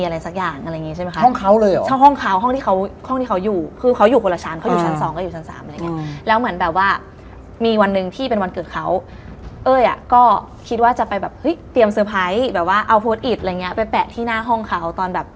แล้วก็เพื่อกลับมาขายที่ลำปางนะครับ